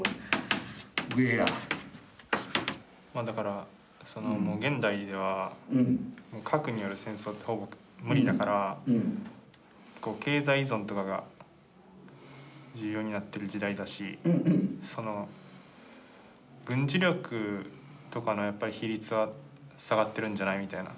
まあだからその現代では経済依存とかが重要になってる時代だしその軍事力とかのやっぱり比率は下がってるんじゃないみたいな。